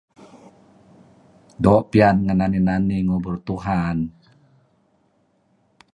Doo' piyan ngen nani-nani ngubur Tuhan.